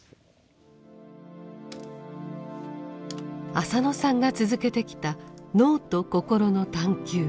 浅野さんが続けてきた脳と心の探求。